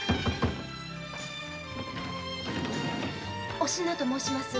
おしのと申します。